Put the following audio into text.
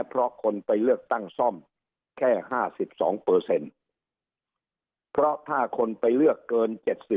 เพราะท่าคนไปเลือกเกิน๗๐